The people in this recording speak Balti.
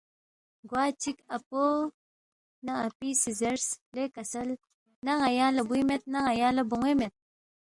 گوا چک اپو نہ اپی سی زیرس، ”لے کسل نہ ن٘یا لہ بُوی مید، نہ ن٘یا لہ بون٘وے مید